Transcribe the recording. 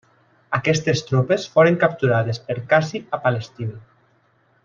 Aquestes tropes foren capturades per Cassi a Palestina.